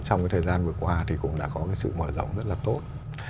trong thời gian vừa qua cũng đã có sự mở rộng rất là tốt